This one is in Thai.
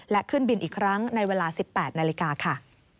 และขึ้นบินอีกครั้งในเวลา๑๘นาฬิกาค่ะ